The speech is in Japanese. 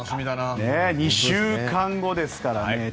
２週間後ですからね。